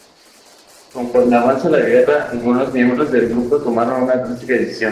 Se encuentra en la Península de Kola.